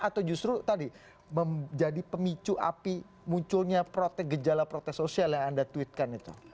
atau justru tadi menjadi pemicu api munculnya gejala protes sosial yang anda tweetkan itu